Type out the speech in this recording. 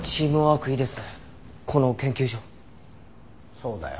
そうだよ。